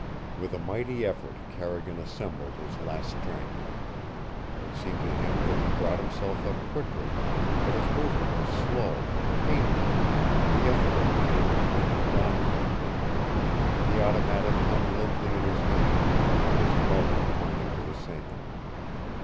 With a mighty effort Carrigan assembled his last strength. It seemed to him that he brought himself up quickly, but his movement was slow, painful the effort of a man who might be dying. The automatic hung limply in his hand, its muzzle pointing to the sand.